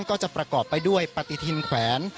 ก็จะประกอบไปด้วยปฏิทินแขวน